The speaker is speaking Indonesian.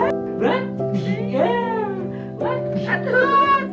berat ya satu satu